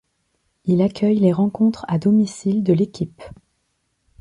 Il accueille les rencontres à domicile de l'équipe.